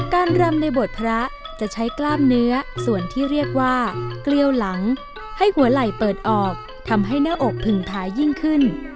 รำในโบสถ์พระจะใช้กล้ามเนื้อส่วนที่เรียกว่าเกลี้ยวหลังให้หัวไหล่เปิดออกทำให้หน้าอกผึ่งผายิ่งขึ้น